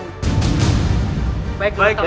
jangan lupa menemani kami